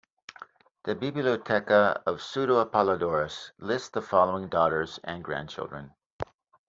The "Bibliotheca" of Pseudo-Apollodorus lists the following daughters and grandchildren.